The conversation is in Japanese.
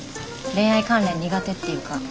恋愛関連苦手っていうか。